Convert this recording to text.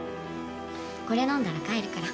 これ飲んだら帰るから。